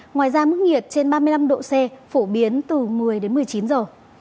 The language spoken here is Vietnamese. ngoài ra mức nhiệt trên ba mươi năm độ c phổ biến từ một mươi đến một mươi chín giờ